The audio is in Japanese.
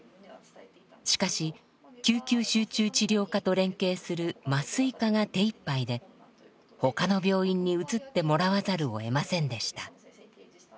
しかし救急集中治療科と連携する麻酔科が手いっぱいで他の病院に移ってもらわざるをえませんでした。